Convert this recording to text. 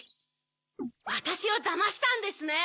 わたしをだましたんですね！